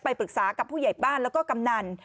ปรึกษากับผู้ใหญ่บ้านแล้วก็กำนัน